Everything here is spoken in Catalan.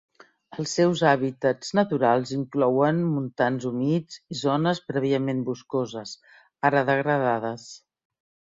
Els seus hàbitats naturals inclouen montans humits i zones prèviament boscoses ara degradades.